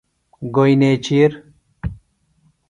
گوئیۡ نیچِیر